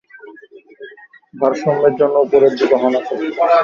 ভারসাম্যের জন্য এর উপরের দিক "হর্ন" আকৃতির।